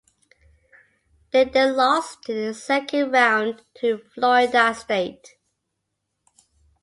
They then lost in the Second Round to Florida State.